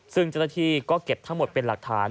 ซึ่งเจ้าหน้าที่ก็เก็บทั้งหมดเป็นหลักฐาน